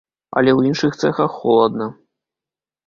Але ў іншых цэхах холадна.